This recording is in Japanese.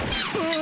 あ！